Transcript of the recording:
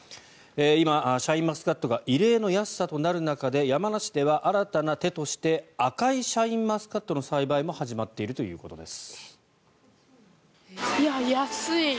今、シャインマスカットが異例の安さとなる中で山梨では新たな手として赤いシャインマスカットの栽培も始まっているということです。